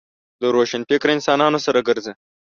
د روشنفکره انسانانو سره ګرځه .